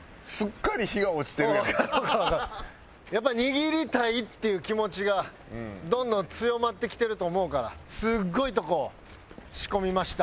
やっぱり握りたいっていう気持ちがどんどん強まってきてると思うからすごいとこを仕込みました。